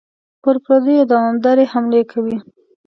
پر پردیو دوامدارې حملې کوي.